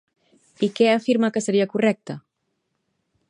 I què afirma que seria correcte?